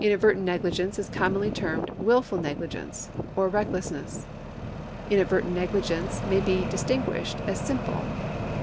Advertent negligence is commonly termed wilful negligence or recklessness. Inadvertent negligence may be distinguished as simple.